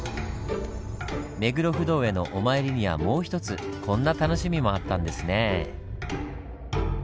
目黒不動へのお参りにはもう一つこんな楽しみもあったんですねぇ。